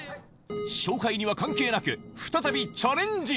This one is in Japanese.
勝敗には関係なく、再びチャレンジ。